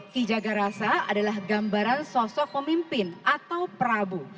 hijagerasa adalah gambaran sosok pemimpin atau prabu